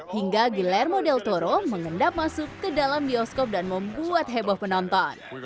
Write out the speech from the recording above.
hingga guillermo del toro mengendap masuk ke dalam bioskop dan membuat heboh penonton